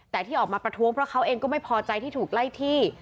แต่ที่ออกมาประท้วงเพราะเขาเองก็ไม่พอใจที่ถูกไล่ที่